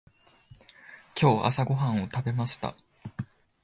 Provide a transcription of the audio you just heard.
今日朝ごはんを食べました。